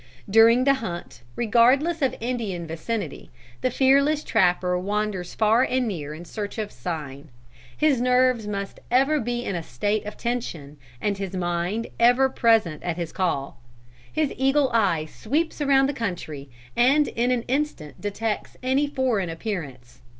"During the hunt, regardless of Indian vicinity, the fearless trapper wanders far and near in search of 'sign.' His nerves must ever be in a state of tension and his mind ever present at his call. His eagle eye sweeps around the country, and in an instant detects any foreign appearance.